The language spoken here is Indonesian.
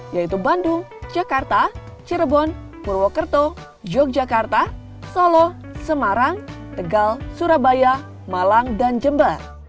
yaitu bandung jakarta cirebon purwokerto yogyakarta solo semarang tegal surabaya malang dan jember